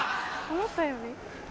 思ったより？